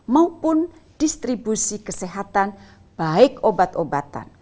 maupun distribusi kesehatan baik obat obatan